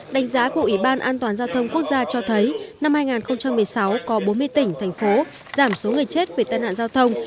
đánh giá của ủy ban an toàn giao thông quốc gia cho thấy năm hai nghìn một mươi sáu có bốn mươi tỉnh thành phố giảm số người chết vì tai nạn giao thông